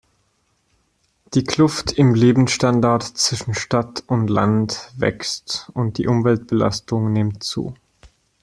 Die Kluft im Lebensstandard zwischen Stadt und Land wächst, und die Umweltbelastung nimmt zu.